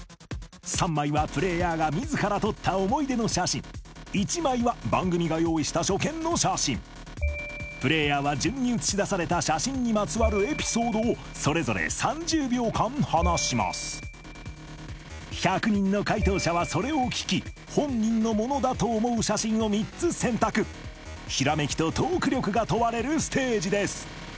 ３枚はプレーヤーが自ら撮った思い出の写真１枚は番組が用意した初見の写真プレーヤーは順に映し出された写真にまつわるエピソードをそれぞれ３０秒間話します１００人の解答者はそれを聞き本人のものだと思う写真を３つ選択ひらめきとトーク力が問われるステージです